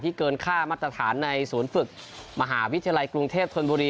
เกินค่ามาตรฐานในศูนย์ฝึกมหาวิทยาลัยกรุงเทพธนบุรี